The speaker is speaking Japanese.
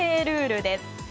ルールです。